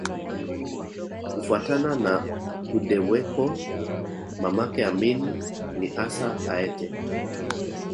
Kufuatana na Gudewekko mamake Amin ni Assa Aatte